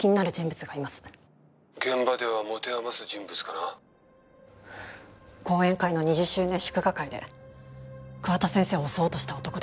「現場では持て余す人物かな？」後援会の２０周年祝賀会で桑田先生を襲おうとした男です。